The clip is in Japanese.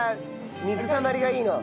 水たまりがいいの？